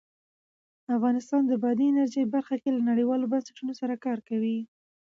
افغانستان د بادي انرژي برخه کې له نړیوالو بنسټونو سره کار کوي.